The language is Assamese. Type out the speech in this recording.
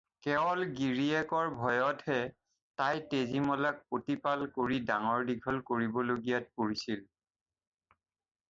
কেৱল গিৰিয়েকৰ ভয়তহে তাই তেজীমলাক প্ৰতিপাল কৰি ডাঙৰ দীঘল কৰিব লগীয়াত পৰিছিল।